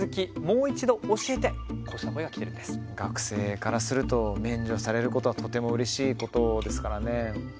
学生からすると免除されることはとてもうれしいことですからね。